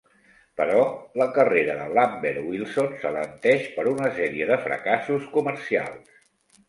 Però la carrera de Lambert Wilson s'alenteix per una sèrie de fracassos comercials.